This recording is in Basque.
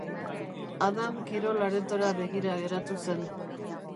Adam kirol-aretora begira geratu zen.